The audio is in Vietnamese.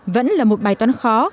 vẫn là một bài toán khó